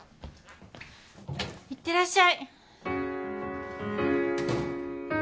いってらっしゃい。